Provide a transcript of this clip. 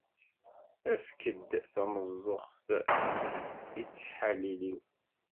Efk-d tameẓẓuɣt i ttḥalil-iw!